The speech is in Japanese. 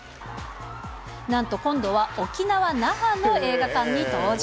なんと今度は沖縄・那覇の映画館に登場。